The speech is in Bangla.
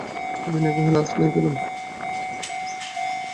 বিনয় কহিল, আজ নাই খেলুম।